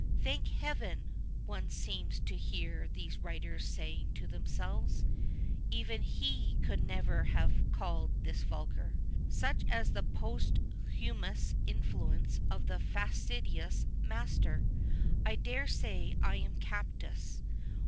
" Thank Heaven !"' one seems to hear these \vritcrs saying to themselves ;" even he eoidd never have called this vidgar." Such is the post humous inlhienee of the fastidious " master "! I daresay I am captious.